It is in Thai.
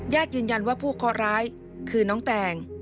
ยืนยันว่าผู้เคาะร้ายคือน้องแตง